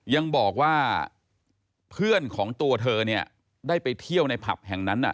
ยังบอกว่าเพื่อนของตัวเธอเนี่ยได้ไปเที่ยวในผับแห่งนั้น